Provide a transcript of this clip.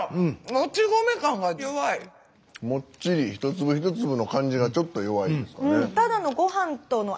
もっちり一粒一粒の感じがちょっと弱いですかね。